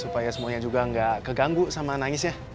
supaya semuanya juga gak keganggu sama nangisnya